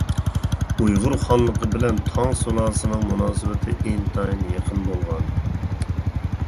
ئۇيغۇر خانلىقى بىلەن تاڭ سۇلالىسىنىڭ مۇناسىۋىتى ئىنتايىن يېقىن بولغان.